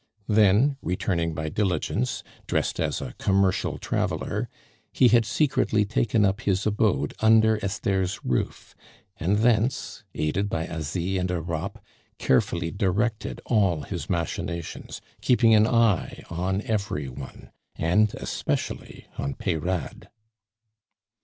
Then, returning by diligence, dressed as a commercial traveler, he had secretly taken up his abode under Esther's roof, and thence, aided by Asie and Europe, carefully directed all his machinations, keeping an eye on every one, and especially on Peyrade.